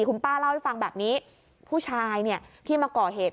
คุณป้าเล่าให้ฟังแบบนี้ผู้ชายเนี่ยที่มาก่อเหตุ